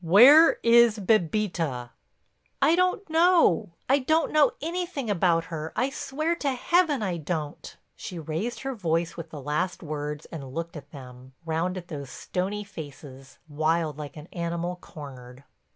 Where is Bébita?" "I don't know—I don't know anything about her. I swear to Heaven I don't." She raised her voice with the last words and looked at them, round at those stony faces, wild like an animal cornered.